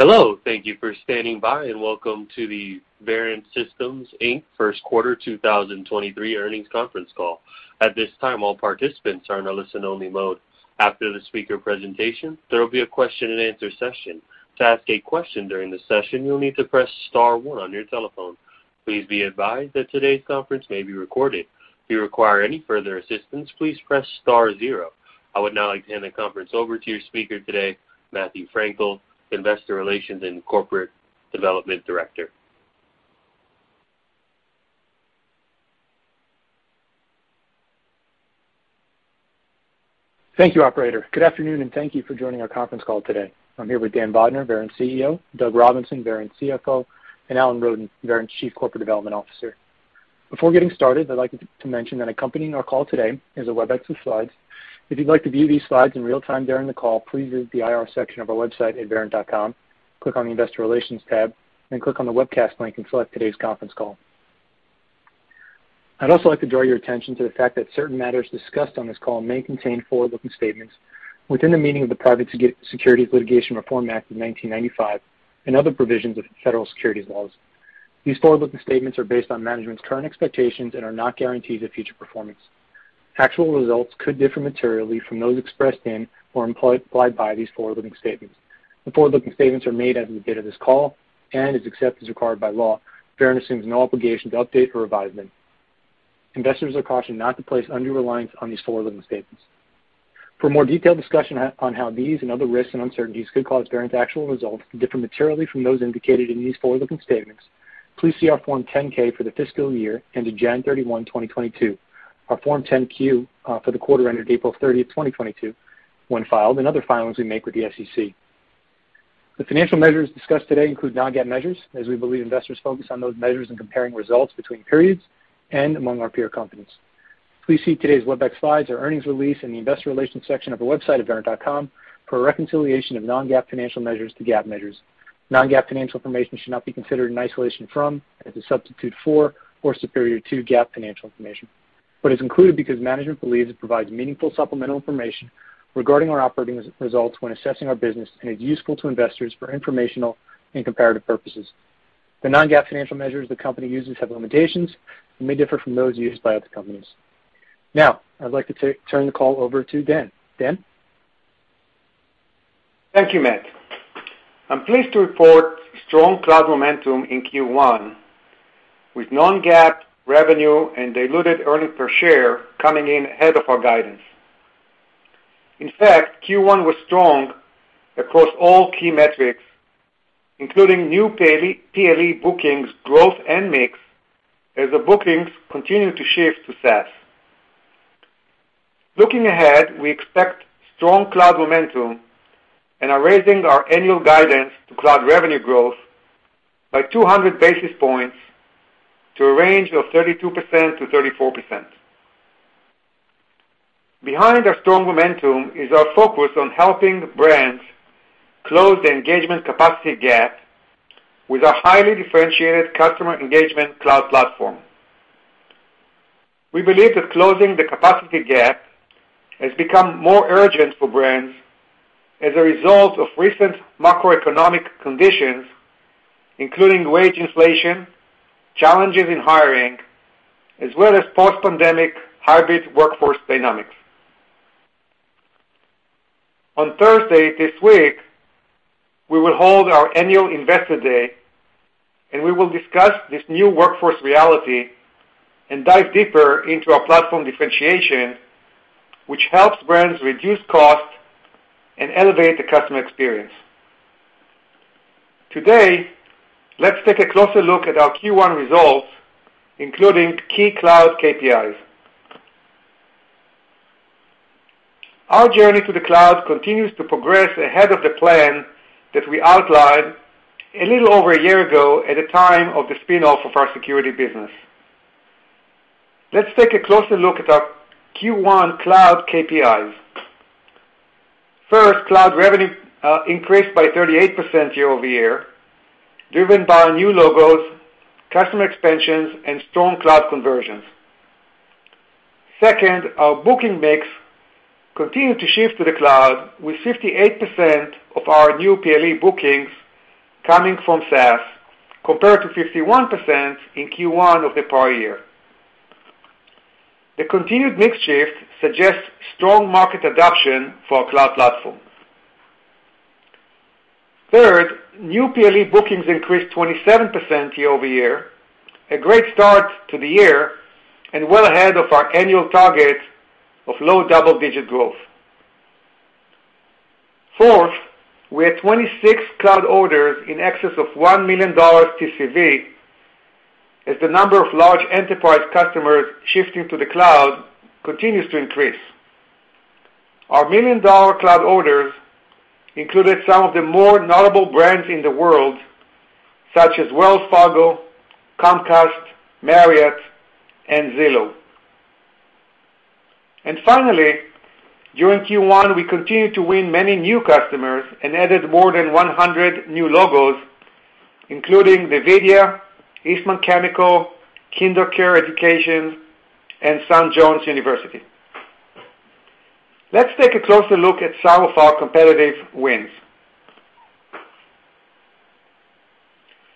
Hello, thank you for standing by, and welcome to the Verint Systems Inc. first quarter 2023 earnings conference call. At this time, all participants are in a listen only mode. After the speaker presentation, there will be a question and answer session. To ask a question during the session, you'll need to press star one on your telephone. Please be advised that today's conference may be recorded. If you require any further assistance, please press star zero. I would now like to hand the conference over to your speaker today, Matthew Frankel, Investor Relations and Corporate Development Director. Thank you, operator. Good afternoon, and thank you for joining our conference call today. I'm here with Dan Bodner, Verint CEO, Douglas Robinson, Verint CFO, and Alan Roden, Verint Chief Corporate Development Officer. Before getting started, I'd like to mention that accompanying our call today is a webcast of slides. If you'd like to view these slides in real time during the call, please visit the IR section of our website at verint.com, click on the Investor Relations tab, and click on the Webcast link and select today's conference call. I'd also like to draw your attention to the fact that certain matters discussed on this call may contain forward-looking statements within the meaning of the Private Securities Litigation Reform Act of 1995 and other provisions of federal securities laws. These forward-looking statements are based on management's current expectations and are not guarantees of future performance. Actual results could differ materially from those expressed in or implied by these forward-looking statements. The forward-looking statements are made as of the date of this call except as required by law. Verint assumes no obligation to update or revise them. Investors are cautioned not to place undue reliance on these forward-looking statements. For more detailed discussion on how these and other risks and uncertainties could cause Verint's actual results to differ materially from those indicated in these forward-looking statements, please see our Form 10-K for the fiscal year ended January 31, 2022, our Form 10-Q for the quarter ended April 30, 2022, when filed, and other filings we make with the SEC. The financial measures discussed today include non-GAAP measures, as we believe investors focus on those measures in comparing results between periods and among our peer companies. Please see today's webcast slides, our earnings release, in the investor relations section of our website at verint.com for a reconciliation of non-GAAP financial measures to GAAP measures. Non-GAAP financial information should not be considered in isolation or as a substitute for or superior to GAAP financial information. It's included because management believes it provides meaningful supplemental information regarding our operating results when assessing our business and is useful to investors for informational and comparative purposes. The non-GAAP financial measures the company uses have limitations and may differ from those used by other companies. Now, I'd like to turn the call over to Dan. Dan? Thank you, Matt. I'm pleased to report strong cloud momentum in Q1, with non-GAAP revenue and diluted earnings per share coming in ahead of our guidance. In fact, Q1 was strong across all key metrics, including new PLE bookings, growth, and mix, as the bookings continue to shift to SaaS. Looking ahead, we expect strong cloud momentum and are raising our annual guidance to cloud revenue growth by 200 basis points to a range of 32%-34%. Behind our strong momentum is our focus on helping brands close the engagement capacity gap with our highly differentiated customer engagement cloud platform. We believe that closing the capacity gap has become more urgent for brands as a result of recent macroeconomic conditions, including wage inflation, challenges in hiring, as well as post-pandemic hybrid workforce dynamics. On Thursday this week, we will hold our annual Investor Day, and we will discuss this new workforce reality and dive deeper into our platform differentiation, which helps brands reduce costs and elevate the customer experience. Today, let's take a closer look at our Q1 results, including key cloud KPIs. Our journey to the cloud continues to progress ahead of the plan that we outlined a little over a year ago at the time of the spinoff of our security business. Let's take a closer look at our Q1 cloud KPIs. First, cloud revenue increased by 38% year-over-year, driven by new logos, customer expansions, and strong cloud conversions. Second, our booking mix continued to shift to the cloud with 58% of our new PLE bookings coming from SaaS, compared to 51% in Q1 of the prior year. The continued mix shift suggests strong market adoption for our cloud platform. Third, new PLE bookings increased 27% year-over-year, a great start to the year and well ahead of our annual target of low double-digit growth. Fourth, we had 26 cloud orders in excess of $1 million TCV as the number of large enterprise customers shifting to the cloud continues to increase. Our $1 million cloud orders included some of the more notable brands in the world, such as Wells Fargo, Comcast, Marriott, and Zillow. Finally, during Q1, we continued to win many new customers and added more than 100 new logos, including NVIDIA, Eastman Chemical, KinderCare Education, and St. John's University. Let's take a closer look at some of our competitive wins.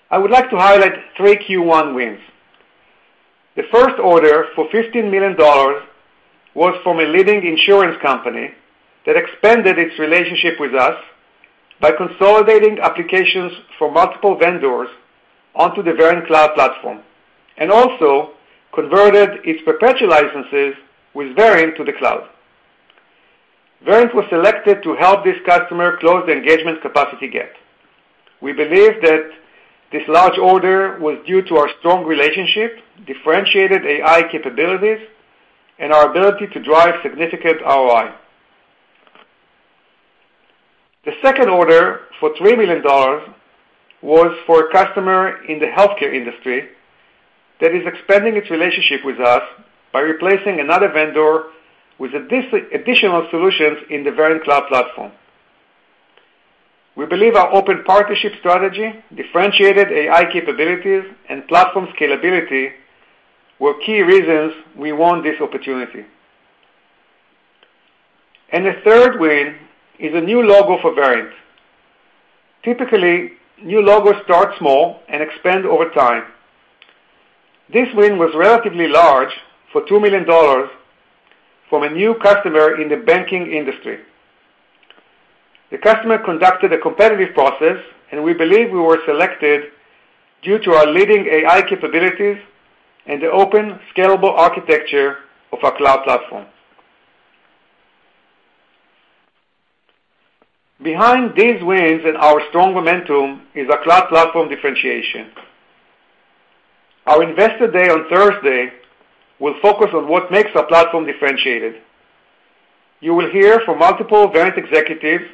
I would like to highlight 3 Q1 wins. The first order for $15 million was from a leading insurance company that expanded its relationship with us by consolidating applications for multiple vendors onto the Verint Cloud Platform, and also converted its perpetual licenses with Verint to the cloud. Verint was selected to help this customer close the engagement capacity gap. We believe that this large order was due to our strong relationship, differentiated AI capabilities, and our ability to drive significant ROI. The second order for $3 million was for a customer in the healthcare industry that is expanding its relationship with us by replacing another vendor with additional solutions in the Verint Cloud Platform. We believe our open partnership strategy, differentiated AI capabilities, and platform scalability were key reasons we won this opportunity. The third win is a new logo for Verint. Typically, new logos start small and expand over time. This win was relatively large for $2 million from a new customer in the banking industry. The customer conducted a competitive process, and we believe we were selected due to our leading AI capabilities and the open scalable architecture of our cloud platform. Behind these wins and our strong momentum is a cloud platform differentiation. Our Investor Day on Thursday will focus on what makes our platform differentiated. You will hear from multiple Verint executives,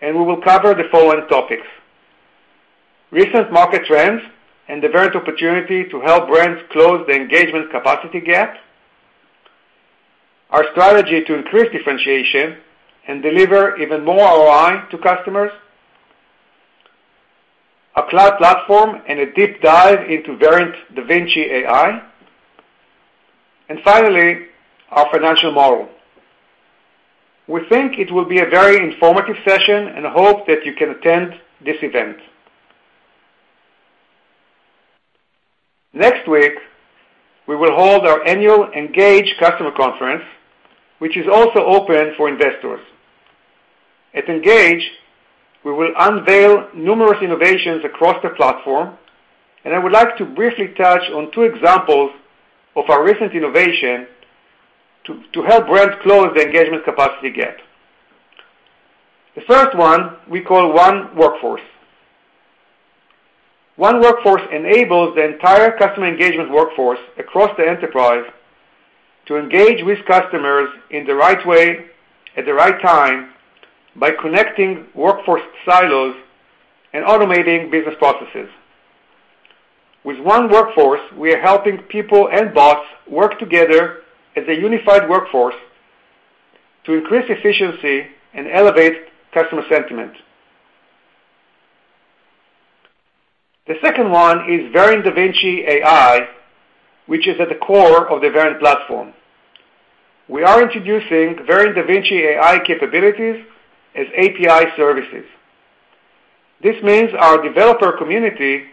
and we will cover the following topics. Recent market trends and the Verint opportunity to help brands close the engagement capacity gap, our strategy to increase differentiation and deliver even more ROI to customers, our cloud platform and a deep dive into Verint DaVinci AI, and finally, our financial model. We think it will be a very informative session and hope that you can attend this event. Next week, we will hold our annual Engage Customer Conference, which is also open for investors. At Engage, we will unveil numerous innovations across the platform, and I would like to briefly touch on two examples of our recent innovation to help brands close the engagement capacity gap. The first one we call One Workforce. One Workforce enables the entire customer engagement workforce across the enterprise to engage with customers in the right way, at the right time by connecting workforce silos and automating business processes. With One Workforce, we are helping people and bots work together as a unified workforce to increase efficiency and elevate customer sentiment. The second one is Verint DaVinci AI, which is at the core of the Verint platform. We are introducing Verint DaVinci AI capabilities as API services. This means our developer community,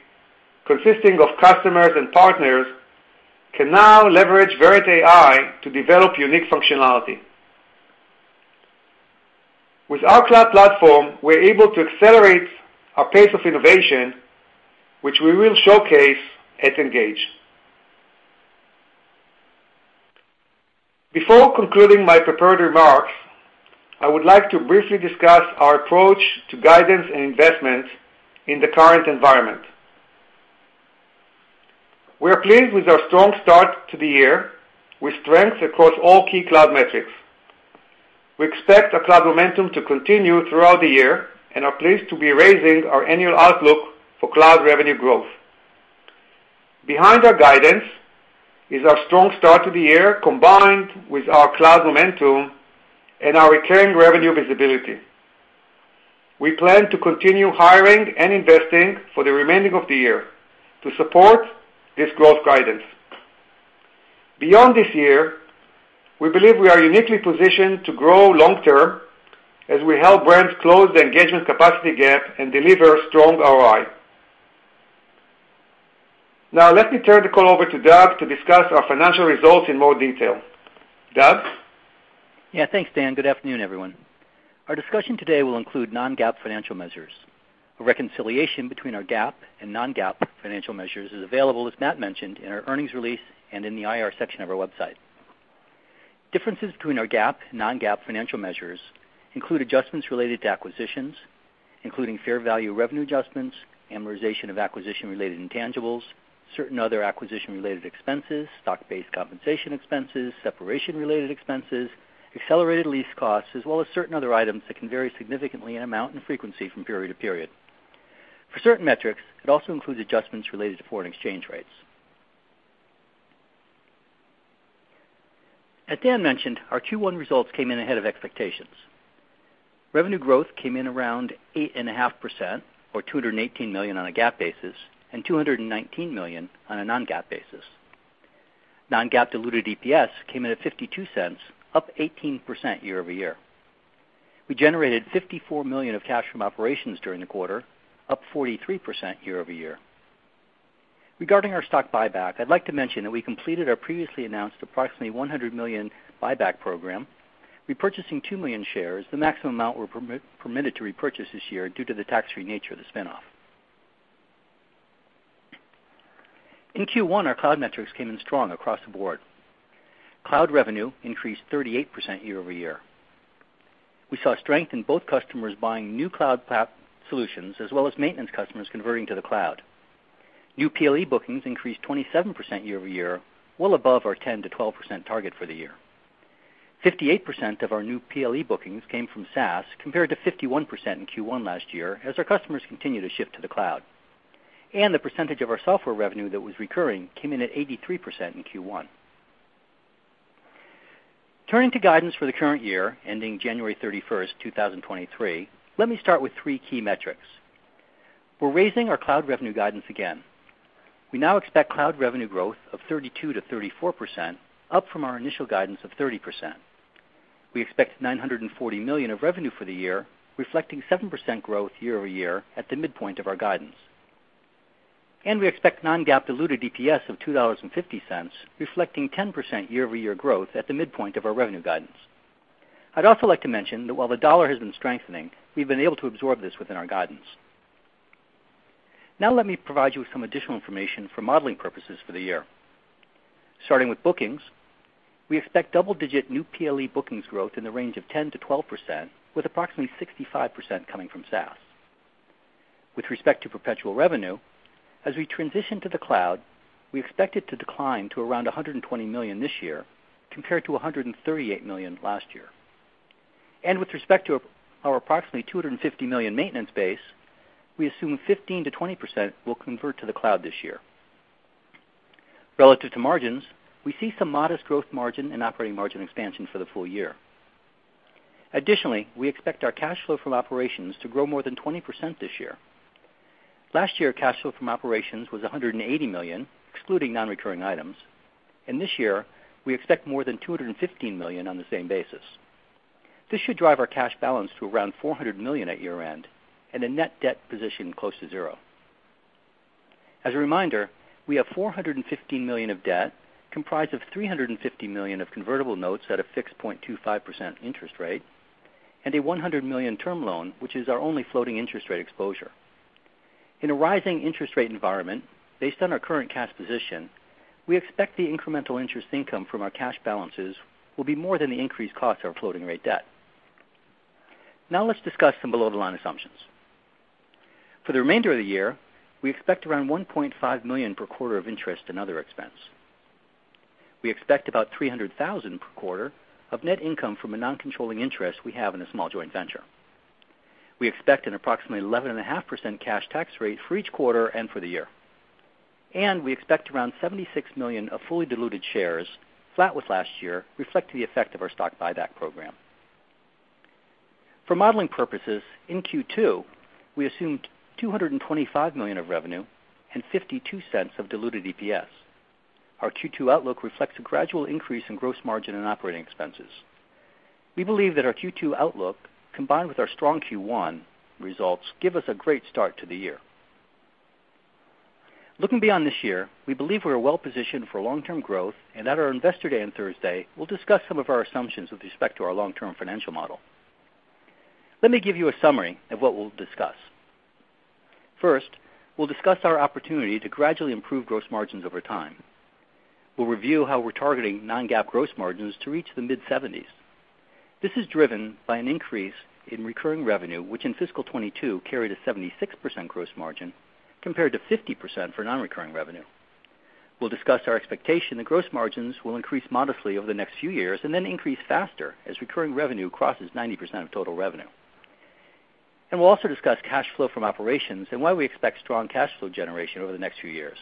consisting of customers and partners, can now leverage Verint AI to develop unique functionality. With our cloud platform, we're able to accelerate our pace of innovation, which we will showcase at Engage. Before concluding my prepared remarks, I would like to briefly discuss our approach to guidance and investments in the current environment. We are pleased with our strong start to the year with strengths across all key cloud metrics. We expect our cloud momentum to continue throughout the year and are pleased to be raising our annual outlook for cloud revenue growth. Behind our guidance is our strong start to the year, combined with our cloud momentum and our recurring revenue visibility. We plan to continue hiring and investing for the remainder of the year to support this growth guidance. Beyond this year, we believe we are uniquely positioned to grow long term as we help brands close the engagement capacity gap and deliver strong ROI. Now, let me turn the call over to Doug to discuss our financial results in more detail. Doug? Yeah, thanks, Dan. Good afternoon, everyone. Our discussion today will include non-GAAP financial measures. A reconciliation between our GAAP and non-GAAP financial measures is available, as Matthew mentioned, in our earnings release and in the IR section of our website. Differences between our GAAP and non-GAAP financial measures include adjustments related to acquisitions, including fair value revenue adjustments, amortization of acquisition-related intangibles, certain other acquisition-related expenses, stock-based compensation expenses, separation related expenses, accelerated lease costs, as well as certain other items that can vary significantly in amount and frequency from period to period. For certain metrics, it also includes adjustments related to foreign exchange rates. As Dan mentioned, our Q1 results came in ahead of expectations. Revenue growth came in around 8.5%, or 218 million on a GAAP basis, and 219 million on a non-GAAP basis. non-GAAP diluted EPS came in at 0.52, up 18% year-over-year. We generated 54 million of cash from operations during the quarter, up 43% year-over-year. Regarding our stock buyback, I'd like to mention that we completed our previously announced approximately 100 million buyback program, repurchasing 2 million shares, the maximum amount we're permitted to repurchase this year due to the tax-free nature of the spin-off. In Q1, our cloud metrics came in strong across the board. Cloud revenue increased 38% year-over-year. We saw strength in both customers buying new cloud solutions, as well as maintenance customers converting to the cloud. New PLE bookings increased 27% year-over-year, well above our 10%-12% target for the year. 58% of our new PLE bookings came from SaaS compared to 51% in Q1 last year as our customers continue to shift to the cloud. The percentage of our software revenue that was recurring came in at 83% in Q1. Turning to guidance for the current year, ending January 31, 2023, let me start with three key metrics. We're raising our cloud revenue guidance again. We now expect cloud revenue growth of 32%-34%, up from our initial guidance of 30%. We expect 940 million of revenue for the year, reflecting 7% growth year over year at the midpoint of our guidance. We expect non-GAAP diluted EPS of $2.50, reflecting 10% year over year growth at the midpoint of our revenue guidance. I'd also like to mention that while the dollar has been strengthening, we've been able to absorb this within our guidance. Now let me provide you with some additional information for modeling purposes for the year. Starting with bookings, we expect double-digit new PLE bookings growth in the range of 10%-12%, with approximately 65% coming from SaaS. With respect to perpetual revenue, as we transition to the cloud, we expect it to decline to around 120 million this year compared to $138 million last year. With respect to our approximately 250 million maintenance base, we assume 15%-20% will convert to the cloud this year. Relative to margins, we see some modest growth margin and operating margin expansion for the full year. Additionally, we expect our cash flow from operations to grow more than 20% this year. Last year, cash flow from operations was 180 million, excluding non-recurring items. This year, we expect more than 215 million on the same basis. This should drive our cash balance to around 400 million at year-end and a net debt position close to zero. As a reminder, we have 415 million of debt, comprised of 350 million of convertible notes at a fixed 0.25% interest rate, and a 100 million term loan, which is our only floating interest rate exposure. In a rising interest rate environment, based on our current cash position, we expect the incremental interest income from our cash balances will be more than the increased cost of our floating rate debt. Now let's discuss some below-the-line assumptions. For the remainder of the year, we expect around 1.5 million per quarter of interest and other expense. We expect about 300,000 per quarter of net income from a non-controlling interest we have in a small joint venture. We expect approximately 11.5% cash tax rate for each quarter and for the year. We expect around 76 million of fully diluted shares, flat with last year, reflecting the effect of our stock buyback program. For modeling purposes, in Q2, we assumed 225 million of revenue and 0.52 of diluted EPS. Our Q2 outlook reflects a gradual increase in gross margin and operating expenses. We believe that our Q2 outlook, combined with our strong Q1 results, give us a great start to the year. Looking beyond this year, we believe we are well positioned for long-term growth, and at our Investor Day on Thursday, we'll discuss some of our assumptions with respect to our long-term financial model. Let me give you a summary of what we'll discuss. First, we'll discuss our opportunity to gradually improve gross margins over time. We'll review how we're targeting non-GAAP gross margins to reach the mid-70s. This is driven by an increase in recurring revenue, which in fiscal 2022 carried a 76% gross margin compared to 50% for non-recurring revenue. We'll discuss our expectation that gross margins will increase modestly over the next few years and then increase faster as recurring revenue crosses 90% of total revenue. We'll also discuss cash flow from operations and why we expect strong cash flow generation over the next few years.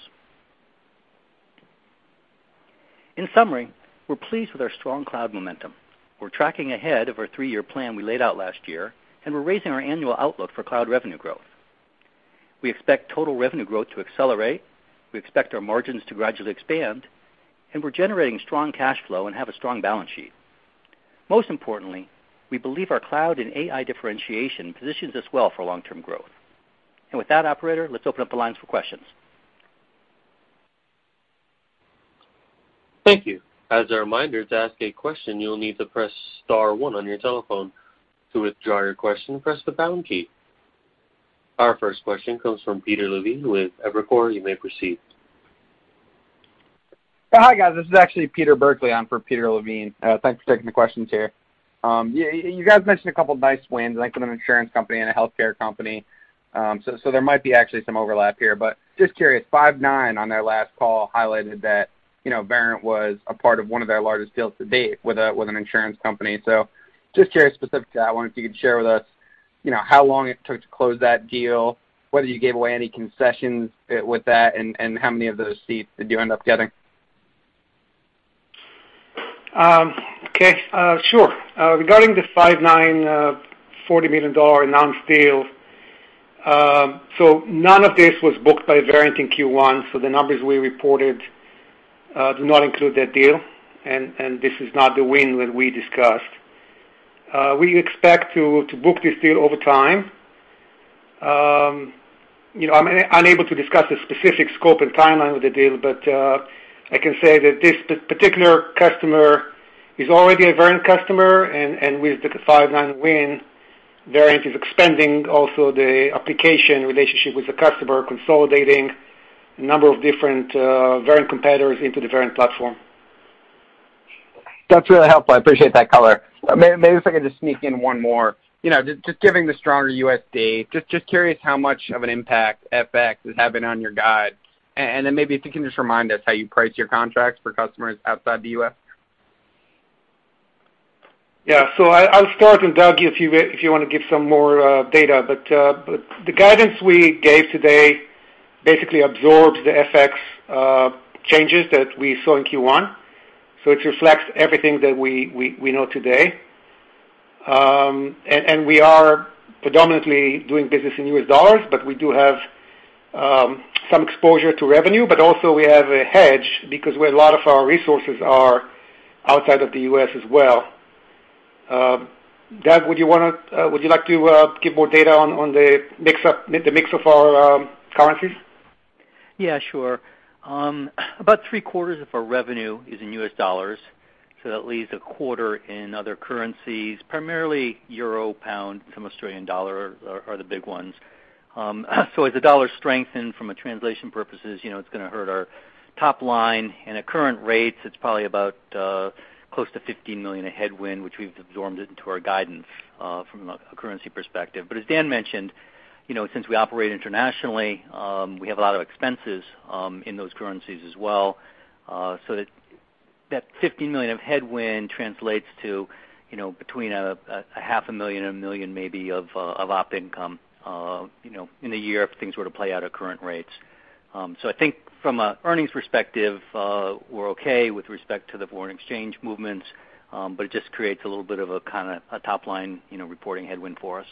In summary, we're pleased with our strong cloud momentum. We're tracking ahead of our three-year plan we laid out last year, and we're raising our annual outlook for cloud revenue growth. We expect total revenue growth to accelerate, we expect our margins to gradually expand, and we're generating strong cash flow and have a strong balance sheet. Most importantly, we believe our cloud and AI differentiation positions us well for long-term growth. With that, operator, let's open up the lines for questions. Thank you. As a reminder, to ask a question, you'll need to press star one on your telephone. To withdraw your question, press the pound key. Our first question comes from Peter Levine with Evercore ISI. You may proceed. Hi, guys. This is actually Peter Burkly in for Peter Levine. Thanks for taking the questions here. You guys mentioned a couple of nice wins, like with an insurance company and a healthcare company. There might be actually some overlap here. Just curious, Five9 on their last call highlighted that, you know, Verint was a part of one of their largest deals to date with an insurance company. Just curious specifically, I wonder if you could share with us, you know, how long it took to close that deal, whether you gave away any concessions with that, and how many of those seats did you end up getting? Okay. Sure. Regarding the Five9 $40 million announced deal. None of this was booked by Verint in Q1. The numbers we reported do not include that deal and this is not the win that we discussed. We expect to book this deal over time. You know, I'm unable to discuss the specific scope and timeline of the deal, but I can say that this particular customer is already a Verint customer and with the Five9 win, Verint is expanding also the application relationship with the customer, consolidating a number of different Verint competitors into the Verint platform. That's really helpful. I appreciate that color. Maybe if I could just sneak in one more. You know, just given the stronger USD, just curious how much of an impact FX is having on your guide. Maybe if you can just remind us how you price your contracts for customers outside the U.S. I'll start and Doug, if you want to give some more data. The guidance we gave today basically absorbs the FX changes that we saw in Q1, so it reflects everything that we know today. We are predominantly doing business in U.S. dollars, but we do have some exposure to revenue, but also we have a hedge because a lot of our resources are outside of the U.S. as well. Doug, would you like to give more data on the mix of our currencies? Yeah, sure. About three quarters of our revenue is in U.S. dollars, so that leaves a quarter in other currencies, primarily euro, pound, some Australian dollar are the big ones. As the dollar strengthened for translation purposes, you know, it's gonna hurt our top line. At current rates, it's probably about close to 15 million a headwind, which we've absorbed into our guidance from a currency perspective. As Dan mentioned, you know, since we operate internationally, we have a lot of expenses in those currencies as well. So that 15 million of headwind translates to, you know, between 0.5 million and 1 million maybe of operating income, you know, in a year if things were to play out at current rates. I think from an earnings perspective, we're okay with respect to the foreign exchange movements, but it just creates a little bit of a kinda a top line, you know, reporting headwind for us.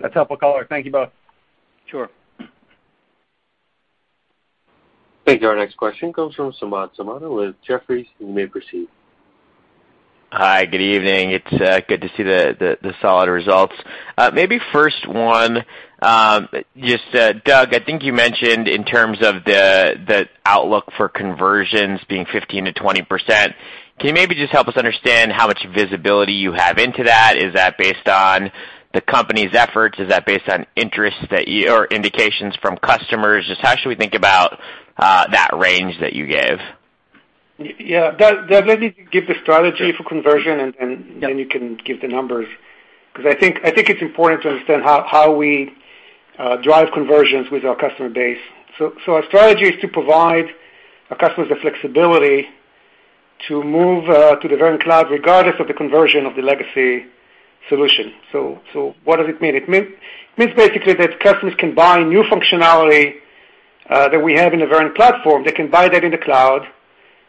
That's helpful color. Thank you both. Sure. Thank you. Our next question comes from Samad Samana with Jefferies. You may proceed. Hi, good evening. It's good to see the solid results. Maybe first one, just, Doug, I think you mentioned in terms of the outlook for conversions being 15%-20%, can you maybe just help us understand how much visibility you have into that? Is that based on the company's efforts? Is that based on interest that you or indications from customers? Just how should we think about that range that you gave? Yeah. Doug, maybe give the strategy for conversion. Sure. You can give the numbers. 'Cause I think it's important to understand how we drive conversions with our customer base. Our strategy is to provide our customers the flexibility to move to the Verint Cloud regardless of the conversion of the legacy solution. What does it mean? It means basically that customers can buy new functionality that we have in the Verint platform. They can buy that in the cloud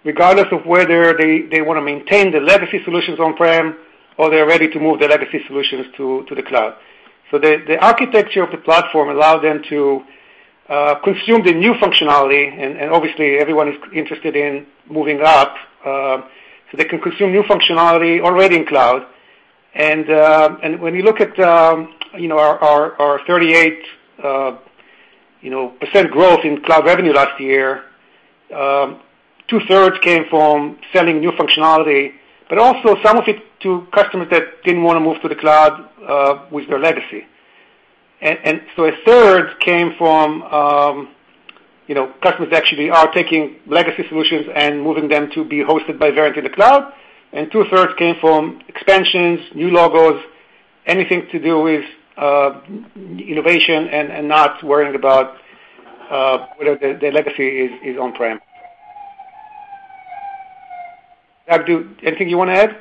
regardless of whether they wanna maintain the legacy solutions on-prem or they're ready to move the legacy solutions to the cloud. The architecture of the platform allows them to consume the new functionality and obviously everyone is interested in moving up so they can consume new functionality already in cloud. When you look at, you know, our 38% growth in cloud revenue last year, two-thirds came from selling new functionality, but also some of it to customers that didn't wanna move to the cloud with their legacy. A third came from, you know, customers actually taking legacy solutions and moving them to be hosted by Verint in the cloud, and two-thirds came from expansions, new logos, anything to do with innovation and not worrying about whether the legacy is on-prem. Doug, anything you wanna add?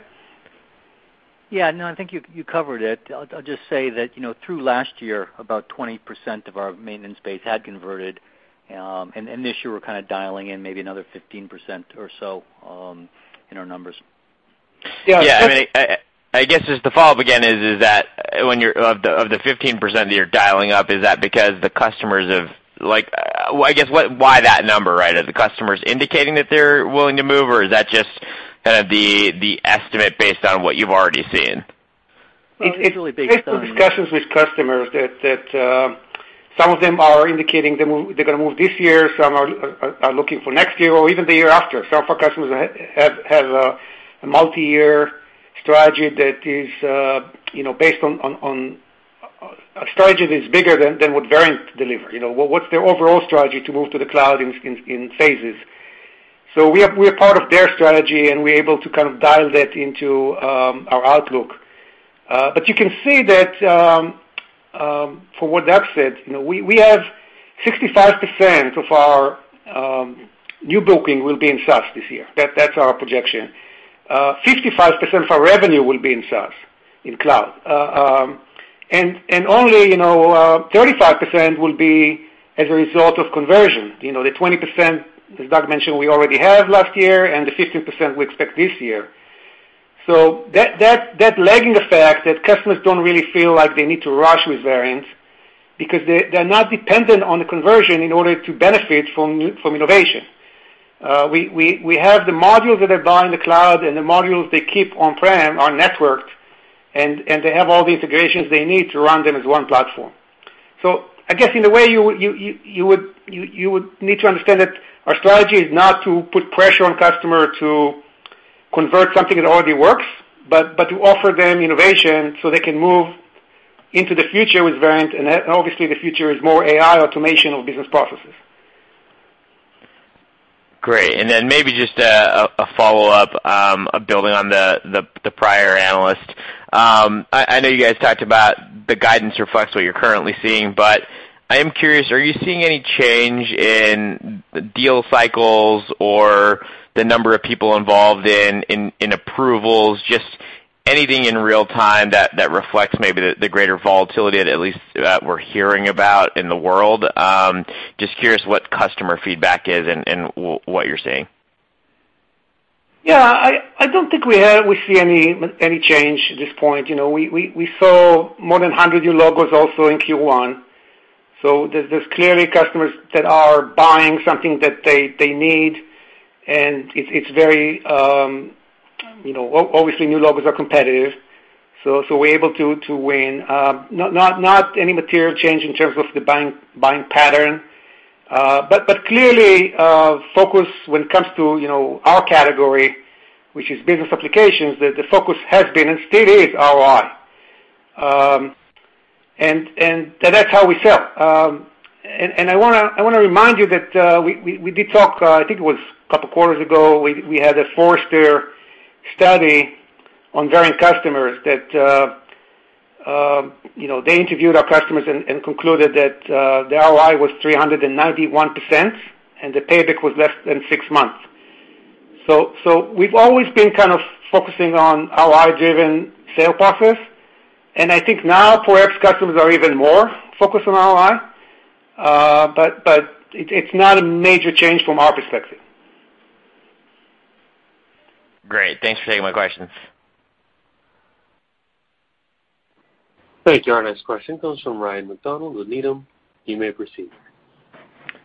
Yeah. No, I think you covered it. I'll just say that, you know, through last year, about 20% of our maintenance base had converted. This year we're kinda dialing in maybe another 15% or so in our numbers. Yeah. Yeah. I guess just a follow-up again is that when you're of the 15% that you're dialing up, is that because the customers have. Like, I guess, what, why that number, right? Are the customers indicating that they're willing to move, or is that just kind of the estimate based on what you've already seen? Well, it's really based on. Based on discussions with customers that some of them are indicating they move, they're gonna move this year, some are looking for next year or even the year after. Some of our customers have a multi-year strategy that is, you know, based on a strategy that's bigger than what Verint deliver. You know, what's their overall strategy to move to the cloud in phases. We are part of their strategy, and we're able to kind of dial that into our outlook. But you can see that from what Doug said, you know, we have 65% of our new booking will be in SaaS this year. That's our projection. 55% of our revenue will be in SaaS, in cloud. Only, you know, 35% will be as a result of conversion. You know, the 20%, as Doug mentioned, we already have last year, and the 15% we expect this year. That lagging effect that customers don't really feel like they need to rush with Verint because they're not dependent on the conversion in order to benefit from innovation. We have the modules that they buy in the cloud and the modules they keep on-prem are networked and they have all the integrations they need to run them as one platform. I guess in a way you would need to understand that our strategy is not to put pressure on customer to convert something that already works, but to offer them innovation so they can move into the future with Verint. Obviously, the future is more AI automation of business processes. Great. Maybe just a follow-up, building on the prior analyst. I know you guys talked about the guidance reflects what you're currently seeing, but I am curious, are you seeing any change in deal cycles or the number of people involved in approvals? Just anything in real time that reflects maybe the greater volatility that at least we're hearing about in the world. Just curious what customer feedback is and what you're seeing. I don't think we see any change at this point. You know, we saw more than 100 new logos also in Q1. There's clearly customers that are buying something that they need, and it's very, you know. Obviously, new logos are competitive, so we're able to win. Not any material change in terms of the buying pattern. Clearly, focus when it comes to, you know, our category, which is business applications, the focus has been and still is ROI. I wanna remind you that we did talk, I think it was a couple quarters ago. We had a Forrester study on Verint customers that you know they interviewed our customers and concluded that the ROI was 391% and the payback was less than six months. We've always been kind of focusing on ROI-driven sales process, and I think now, perhaps, customers are even more focused on ROI. It's not a major change from our perspective. Great. Thanks for taking my questions. Thank you. Our next question comes from Ryan MacDonald with Needham. You may proceed.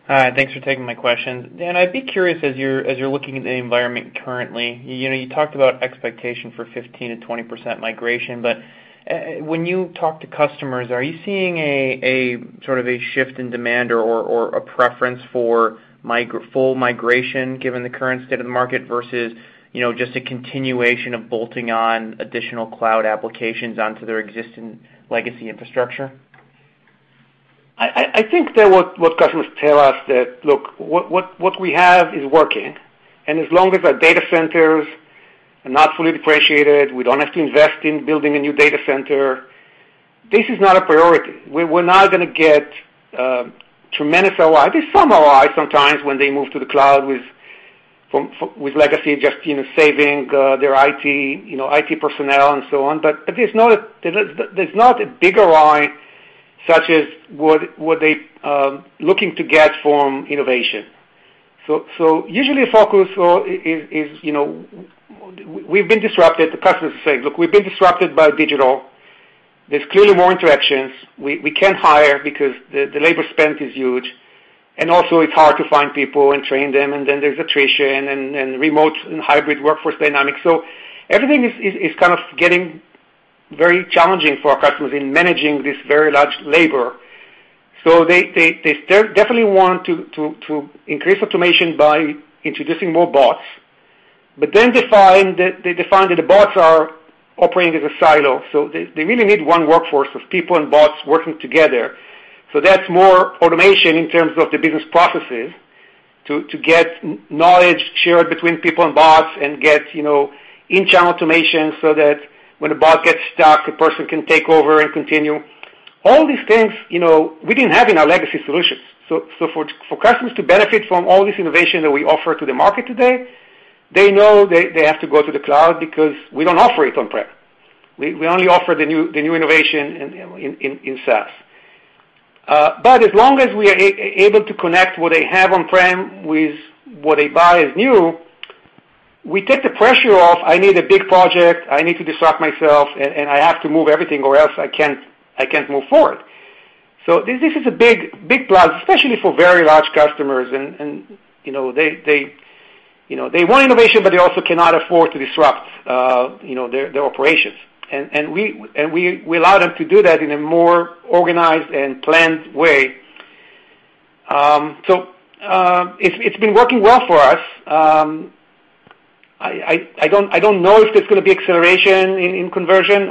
Hi, thanks for taking my question. Dan, I'd be curious, as you're looking at the environment currently, you know, you talked about expectation for 15%-20% migration. When you talk to customers, are you seeing a sort of a shift in demand or a preference for full migration given the current state of the market versus, you know, just a continuation of bolting on additional cloud applications onto their existing legacy infrastructure? I think that what customers tell us that, look, what we have is working, and as long as our data centers are not fully depreciated, we don't have to invest in building a new data center, this is not a priority. We're not gonna get tremendous ROI. There's some ROI sometimes when they move to the cloud with legacy, just, you know, saving their IT, you know, IT personnel and so on. But there's not a big ROI such as what they looking to get from innovation. Usually the focus is, you know, we've been disrupted. The customers say, "Look, we've been disrupted by digital. There's clearly more interactions. We can't hire because the labor spend is huge, and also it's hard to find people and train them, and then there's attrition and remote and hybrid workforce dynamics." Everything is kind of getting very challenging for our customers in managing this very large labor. They definitely want to increase automation by introducing more bots. They find that the bots are operating as a silo, so they really need one workforce of people and bots working together. That's more automation in terms of the business processes to get knowledge shared between people and bots and get, you know, in channel automation so that when a bot gets stuck, a person can take over and continue. All these things, you know, we didn't have in our legacy solutions. For customers to benefit from all this innovation that we offer to the market today, they know they have to go to the cloud because we don't offer it on-prem. We only offer the new innovation in SaaS. But as long as we are able to connect what they have on-prem with what they buy as new, we take the pressure off, I need a big project, I need to disrupt myself, and I have to move everything or else I can't move forward. This is a big plus, especially for very large customers. You know, they you know, they want innovation, but they also cannot afford to disrupt you know, their operations. We allow them to do that in a more organized and planned way. It's been working well for us. I don't know if there's gonna be acceleration in conversion.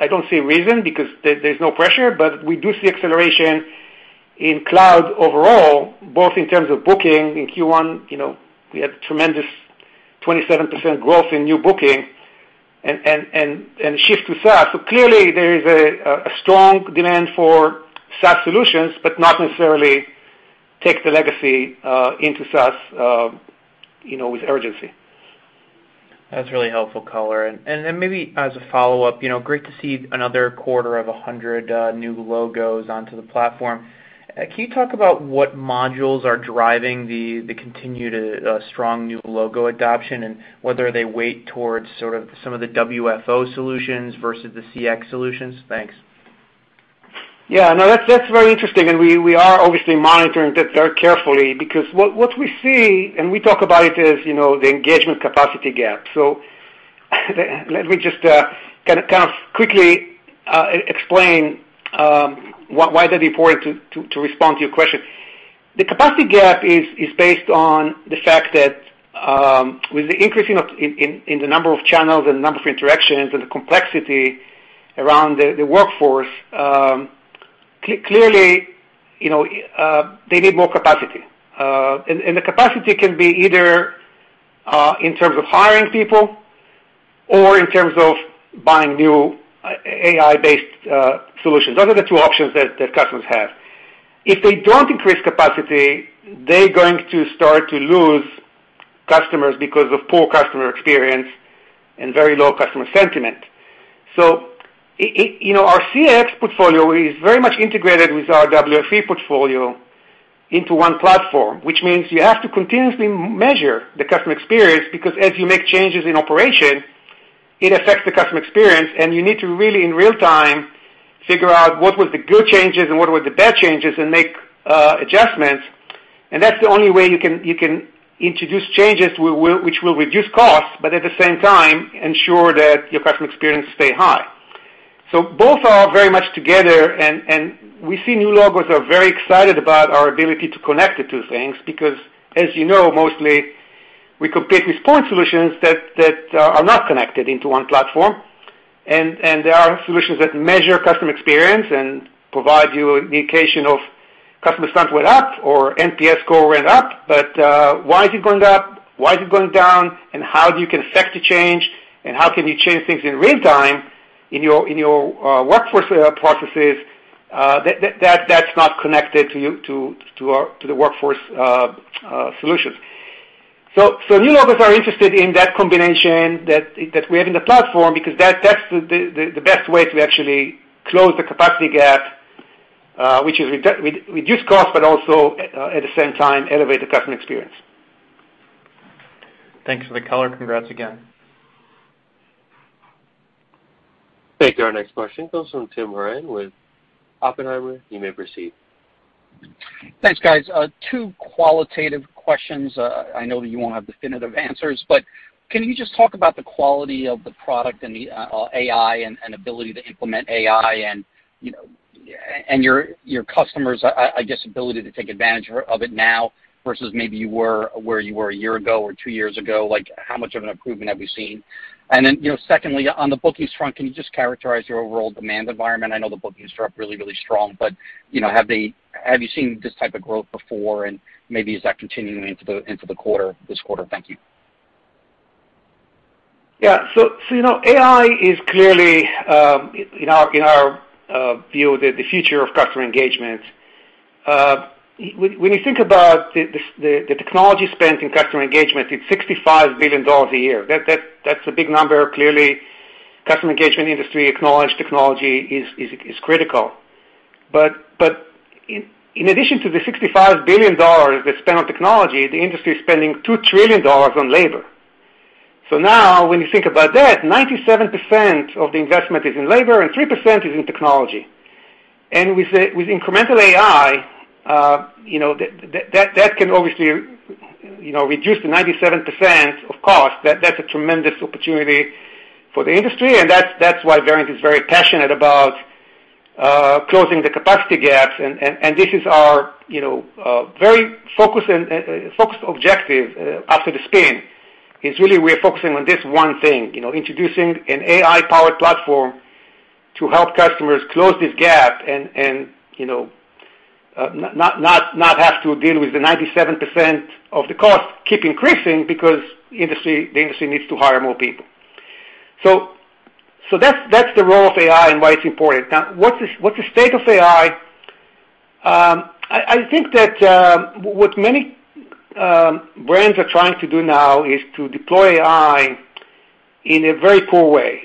I don't see a reason because there's no pressure. We do see acceleration in cloud overall, both in terms of booking. In Q1, we had tremendous 27% growth in new booking and shift to SaaS. Clearly there is a strong demand for SaaS solutions, but not necessarily take the legacy into SaaS with urgency. That's really helpful color. Maybe as a follow-up, you know, great to see another quarter of 100 new logos onto the platform. Can you talk about what modules are driving the continued strong new logo adoption and whether they weigh towards sort of some of the WFO solutions versus the CX solutions? Thanks. Yeah, no, that's very interesting, and we are obviously monitoring that very carefully because what we see and we talk about it as, you know, the engagement capacity gap. Let me just kind of quickly explain why that's important to respond to your question. The capacity gap is based on the fact that with the increasing in the number of channels and the number of interactions and the complexity around the workforce, clearly, you know, they need more capacity. The capacity can be either in terms of hiring people or in terms of buying new AI-based solutions. Those are the two options that customers have. If they don't increase capacity, they're going to start to lose customers because of poor customer experience and very low customer sentiment. It you know, our CX portfolio is very much integrated with our WFO portfolio into one platform, which means you have to continuously measure the customer experience, because as you make changes in operation, it affects the customer experience, and you need to really, in real time, figure out what was the good changes and what were the bad changes and make adjustments. That's the only way you can introduce changes which will reduce costs, but at the same time ensure that your customer experience stay high. Both are very much together and we see new logos are very excited about our ability to connect the two things because as you know, mostly we compete with point solutions that are not connected into one platform. There are solutions that measure customer experience and provide you an indication of customer sentiment went up or NPS score went up, but why is it going up? Why is it going down? How you can affect the change and how can you change things in real time in your workforce processes that that's not connected to the workforce solutions. New logos are interested in that combination that we have in the platform because that's the best way to actually close the capacity gap, which is reduce cost but also at the same time elevate the customer experience. Thanks for the color. Congrats again. Thank you. Our next question comes from Tim Horan with Oppenheimer. You may proceed. Thanks, guys. Two qualitative questions. I know that you won't have definitive answers, but can you just talk about the quality of the product and the AI and ability to implement AI and, you know, and your customers, I guess, ability to take advantage of it now versus maybe where you were a year ago or two years ago. Like, how much of an improvement have we seen? Then, you know, secondly, on the bookings front, can you just characterize your overall demand environment? I know the bookings are up really, really strong. You know, have you seen this type of growth before? And maybe is that continuing into the quarter, this quarter? Thank you. Yeah. You know, AI is clearly in our view the future of customer engagement. When you think about the technology spent in customer engagement, it's $65 billion a year. That's a big number. Clearly, customer engagement industry acknowledges technology is critical. In addition to the $65 billion that's spent on technology, the industry is spending $2 trillion on labor. Now when you think about that, 97% of the investment is in labor and 3% is in technology. With incremental AI, you know, that can obviously reduce the 97% of cost. That's a tremendous opportunity for the industry, and that's why Verint is very passionate about closing the capacity gaps. This is our, you know, very focused objective after the spin, is really we're focusing on this one thing. You know, introducing an AI-powered platform to help customers close this gap and, you know, not have to deal with the 97% of the costs keep increasing because the industry needs to hire more people. That's the role of AI and why it's important. Now, what's the state of AI? I think that what many brands are trying to do now is to deploy AI in a very poor way.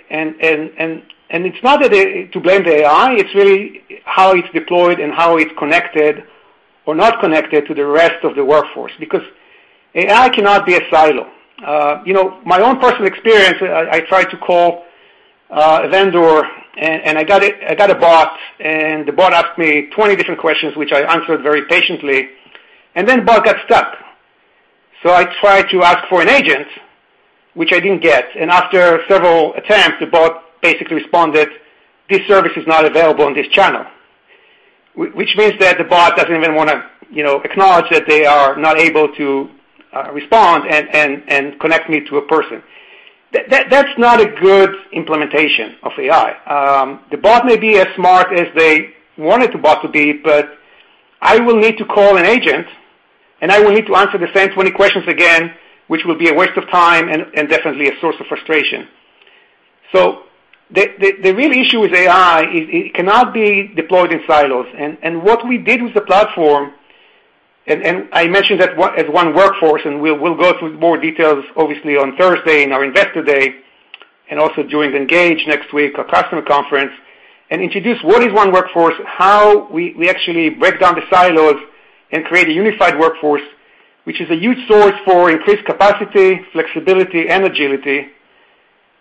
It's not to blame the AI, it's really how it's deployed and how it's connected or not connected to the rest of the workforce, because AI cannot be a silo. You know, my own personal experience, I tried to call a vendor and I got a bot, and the bot asked me 20 different questions, which I answered very patiently. Then bot got stuck. I tried to ask for an agent, which I didn't get. After several attempts, the bot basically responded, "This service is not available on this channel." Which means that the bot doesn't even wanna, you know, acknowledge that they are not able to respond and connect me to a person. That's not a good implementation of AI. The bot may be as smart as they want the bot to be, but I will need to call an agent, and I will need to answer the same 20 questions again, which will be a waste of time and definitely a source of frustration. The real issue with AI is it cannot be deployed in silos. What we did with the platform and I mentioned that one as One Workforce, and we'll go through more details obviously on Thursday in our Investor Day and also during Engage next week, our customer conference, and introduce what is One Workforce, how we actually break down the silos and create a unified workforce, which is a huge source for increased capacity, flexibility, and agility.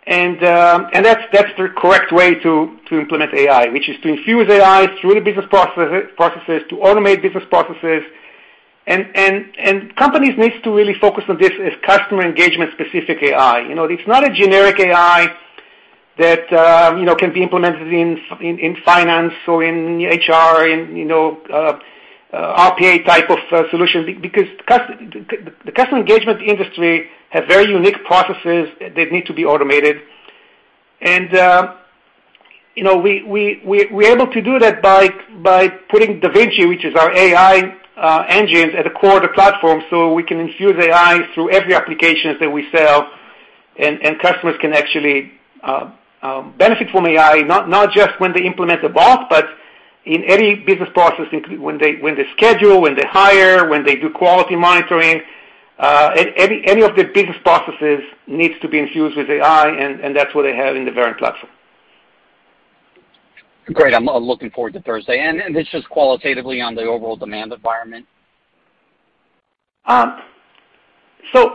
That's the correct way to implement AI, which is to infuse AI through business processes, to automate business processes. Companies need to really focus on this as customer engagement specific AI. You know, it's not a generic AI that you know can be implemented in finance or in HR, in you know RPA type of solutions because the customer engagement industry have very unique processes that need to be automated. You know, we're able to do that by putting DaVinci, which is our AI engines, at the core of the platform, so we can infuse AI through every applications that we sell. Customers can actually benefit from AI, not just when they implement a bot, but in any business process when they schedule, when they hire, when they do quality monitoring. Any of the business processes needs to be infused with AI, and that's what they have in the Verint platform. Great. I'm looking forward to Thursday. Just qualitatively on the overall demand environment. At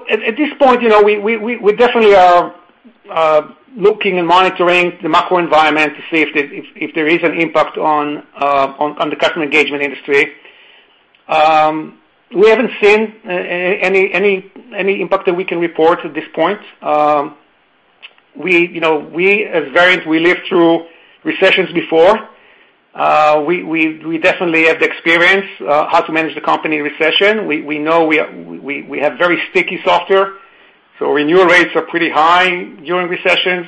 this point, you know, we definitely are looking and monitoring the macro environment to see if there is an impact on the customer engagement industry. We haven't seen any impact that we can report at this point. You know, we as Verint, we lived through recessions before. We definitely have the experience how to manage the company in recession. We know we have very sticky software, so renewal rates are pretty high during recessions.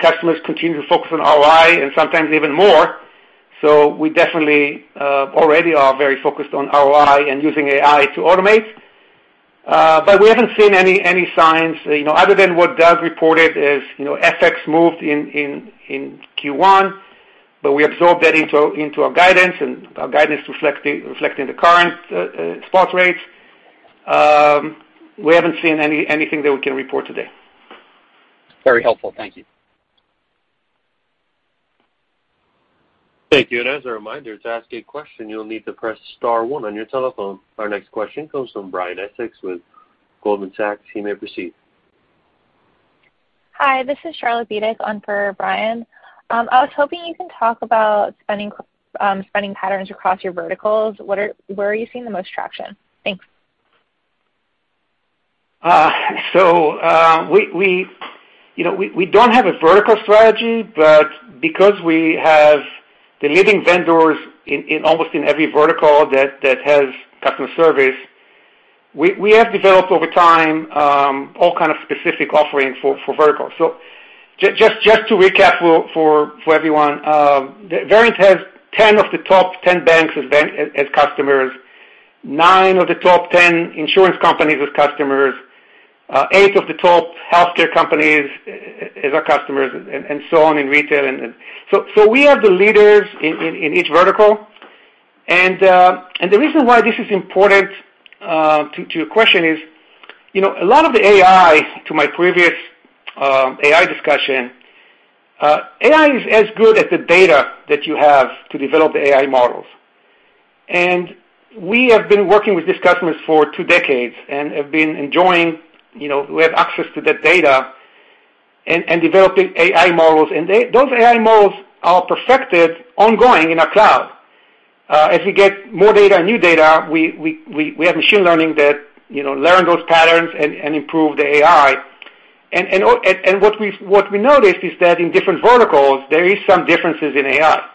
Customers continue to focus on ROI and sometimes even more. We definitely already are very focused on ROI and using AI to automate. We haven't seen any signs, you know, other than what Doug reported as, you know, FX moved in Q1, but we absorbed that into our guidance and our guidance reflecting the current spot rates. We haven't seen anything that we can report today. Very helpful. Thank you. Thank you. As a reminder, to ask a question, you'll need to press star one on your telephone. Our next question comes from Brian Essex with Goldman Sachs. You may proceed. Hi, this is Charlotte Bednar on for Brian. I was hoping you can talk about spending patterns across your verticals. Where are you seeing the most traction? Thanks. We don't have a vertical strategy, but because we have the leading vendors in almost every vertical that has customer service, we have developed over time, you know, all kind of specific offerings for verticals. Just to recap for everyone, Verint has 10 of the top 10 banks as customers, nine the top 10 insurance companies as customers, 8 of the top 10 healthcare companies as our customers, and so on in retail. We are the leaders in each vertical. The reason why this is important to your question is, you know, a lot of the AI, to my previous AI discussion, AI is as good as the data that you have to develop the AI models. We have been working with these customers for two decades and have been enjoying, you know, we have access to that data and developing AI models. Those AI models are perfected ongoing in our cloud. As we get more data, new data, we have machine learning that, you know, learn those patterns and improve the AI. What we noticed is that in different verticals there is some differences in AI.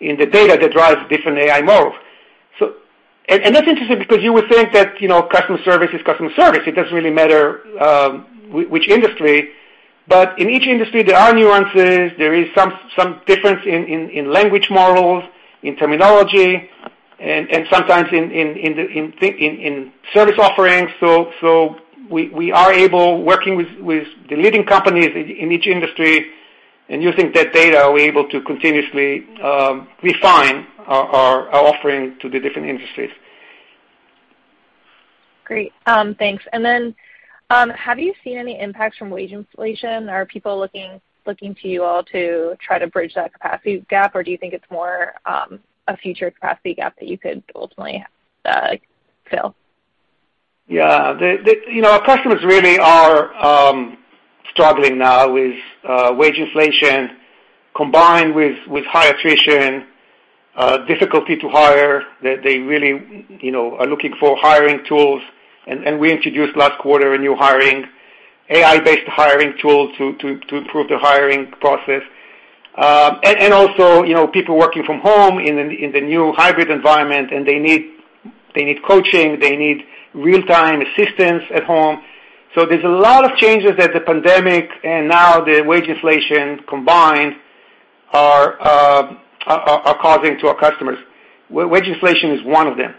In the data that drives different AI models. That's interesting because you would think that, you know, customer service is customer service. It doesn't really matter which industry. But in each industry there are nuances. There is some difference in language models, in terminology, and sometimes in the service offerings. We are able, working with the leading companies in each industry and using that data, to continuously refine our offering to the different industries. Great. Thanks. Have you seen any impacts from wage inflation? Are people looking to you all to try to bridge that capacity gap, or do you think it's more a future capacity gap that you could ultimately fill? Yeah. The you know, our customers really are struggling now with wage inflation combined with high attrition, difficulty to hire. They really you know, are looking for hiring tools. We introduced last quarter a new hiring, AI-based hiring tool to improve the hiring process. And also, you know, people working from home in the new hybrid environment, and they need coaching, they need real-time assistance at home. There's a lot of changes that the pandemic and now the wage inflation combined are causing to our customers. Wage inflation is one of them.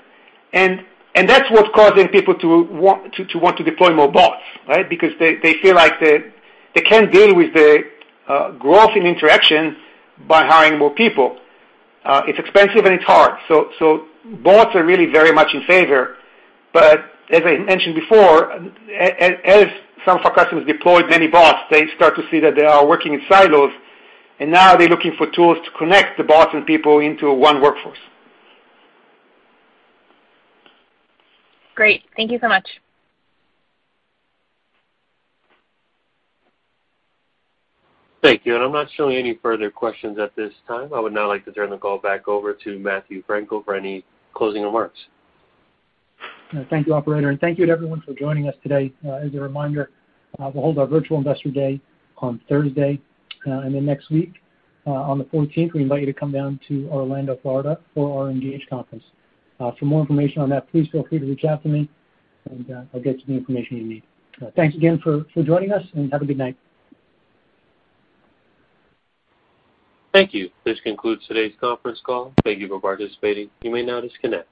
That's what's causing people to want to deploy more bots, right? Because they feel like they can't deal with the growth in interaction by hiring more people. It's expensive and it's hard. Bots are really very much in favor. As I mentioned before, as some of our customers deploy many bots, they start to see that they are working in silos, and now they're looking for tools to connect the bots and people into one workforce. Great. Thank you so much. Thank you. I'm not showing any further questions at this time. I would now like to turn the call back over to Matthew Frankel for any closing remarks. Thank you, operator, and thank you to everyone for joining us today. As a reminder, we'll hold our virtual Investor Day on Thursday. Next week, on the fourteenth, we invite you to come down to Orlando, Florida, for our Engage conference. For more information on that, please feel free to reach out to me, and I'll get you the information you need. Thanks again for joining us, and have a good night. Thank you. This concludes today's conference call. Thank you for participating. You may now disconnect.